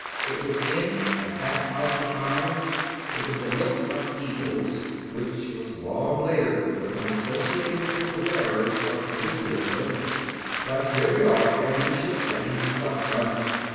It was in and back of the eyes; it was the "look of eagles" which was long later to become associated with the wearers of Arisia's Lens. "But here we are, and your ship's ready. Luck, son."